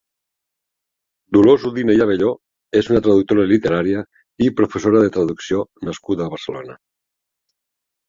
Dolors Udina i Abelló és una traductora literària i professora de traducció nascuda a Barcelona.